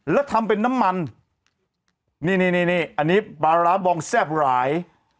แล้วทำเป็นน้ำมันนี่นี่อันนี้ปลาร้าบองแซ่บหลาย